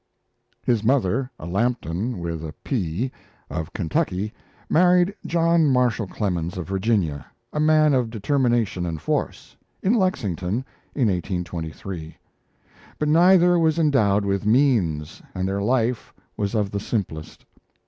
His mother, a "Lambton with a p," of Kentucky, married John Marshall Clemens, of Virginia, a man of determination and force, in Lexington, in 1823; but neither was endowed with means, and their life was of the simplest.